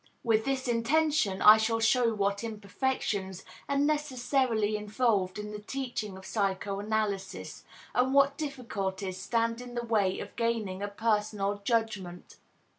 With this intention I shall show what imperfections are necessarily involved in the teaching of psychoanalysis and what difficulties stand in the way of gaining a personal judgment.